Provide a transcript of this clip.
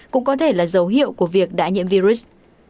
cũng có thể là dấu hiệu của việc đã nhiễm virus